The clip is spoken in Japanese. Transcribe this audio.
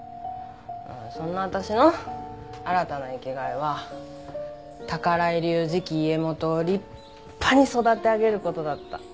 そんな私の新たな生きがいは宝居流次期家元を立派に育て上げる事だった。